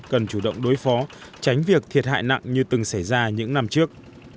cần chủ động đối phó tránh việc thiệt hại nặng như từng xảy ra những năm trước